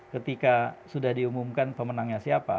ketika sudah diumumkan pemenangnya siapa